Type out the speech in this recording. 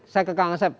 saya ke kang asep